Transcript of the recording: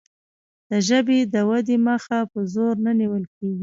د ژبې د ودې مخه په زور نه نیول کیږي.